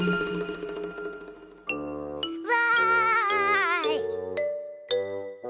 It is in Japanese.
わい！